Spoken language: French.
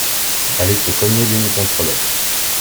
Aller se cogner l’une contre l’autre.